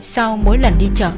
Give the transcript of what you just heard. sau mỗi lần đi chợ